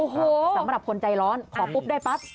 สำหรับคนใจร้อนขอปุ๊บได้ปั๊ป